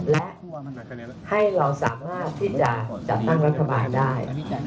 และให้เราสามารถที่จะจัดตั้งรัฐบาลได้